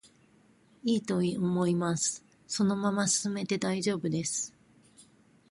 いいと思います、そのまま進めても大丈夫です。